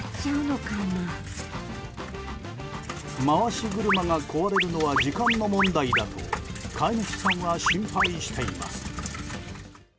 回し車が壊れるのは時間の問題だと飼い主さんは心配しています。